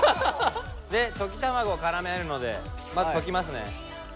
で溶き卵からめるのでまず溶きますね。